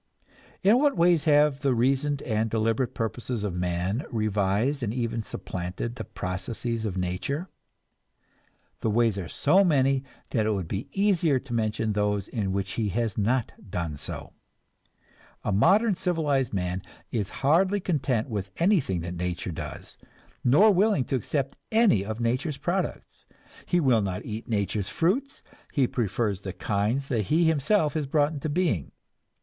In what ways have the reasoned and deliberate purposes of man revised and even supplanted the processes of nature? The ways are so many that it would be easier to mention those in which he has not done so. A modern civilized man is hardly content with anything that nature does, nor willing to accept any of nature's products. He will not eat nature's fruits, he prefers the kinds that he himself has brought into being.